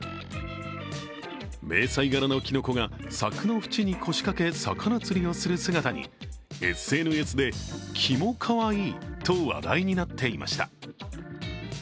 迷彩柄のきのこが柵の縁に腰掛け魚釣りをする姿にＳＮＳで、キモかわいいと話題になっていました。